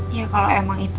ya kalau emang itu